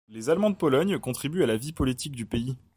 Les Allemands de Pologne contribuent à la vie politique du pays.